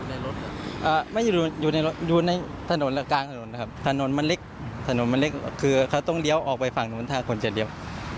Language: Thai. อ่าไม่อยู่อยู่ในรถอยู่ในถนนและกลางถนนครับถนนมันเล็กถนนมันเล็กคือเขาต้องเลี้ยวออกไปฝั่งนู้นถ้าคนเจ็ดเลี้ยว